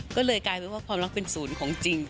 ก็เลยกลายเป็นว่าความรักเป็นศูนย์ของจริง